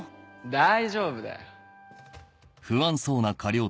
大丈夫だよ。